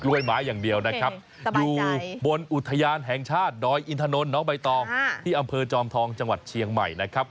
ยไม้อย่างเดียวนะครับอยู่บนอุทยานแห่งชาติดอยอินทนนท์น้องใบตองที่อำเภอจอมทองจังหวัดเชียงใหม่นะครับ